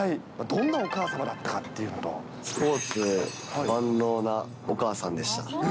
どんなお母様だったというこスポーツ万能なお母さんでした。